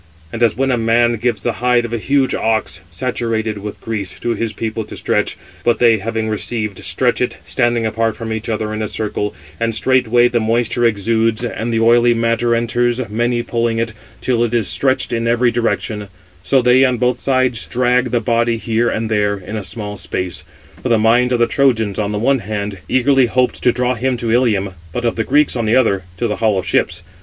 And as when a man gives the hide of a huge ox, saturated with grease, to his people to stretch, but they, having received, stretch it, standing apart from each other in a circle, and straightway the moisture exudes, and the oily matter enters, many pulling it, till it is stretched in every direction; so they, on both sides, dragged the body here and there in a small space; for the mind of the Trojans, on the one hand, eagerly hoped to draw him to Ilium, but of the Greeks, on the other, to the hollow ships.